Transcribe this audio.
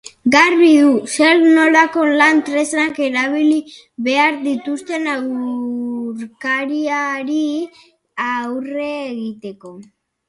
Garbi du zer nolako lan tresnak erabali behar dituzten aurkariari aurre egiteko.